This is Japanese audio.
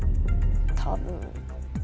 多分。